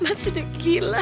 apa kamu ingin bekerja